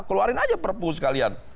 keluarin aja perpu sekalian